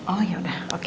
oh yaudah oke